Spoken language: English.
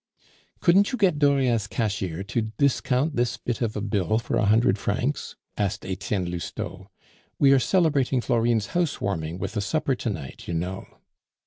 "Couldn't you get Dauriat's cashier to discount this bit of a bill for a hundred francs?" asked Etienne Lousteau. "We are celebrating Florine's house warming with a supper to night, you know."